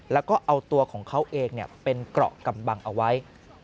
แล้วก็เอาตัวของเขาเองเป็นเกราะกำบังเอาไว้